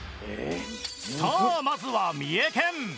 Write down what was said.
さあまずは三重県。